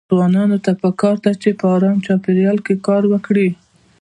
ځوانانو ته پکار ده چې په ارام چاپيريال کې کار وکړي.